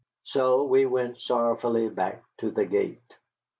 So they went sorrowfully back to the gate.